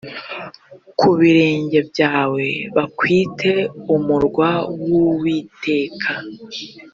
ku birenge byawe bakwite umurwa w’uwiteka